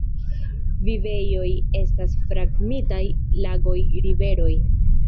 Vivejoj estas fragmitaj lagoj, riveroj.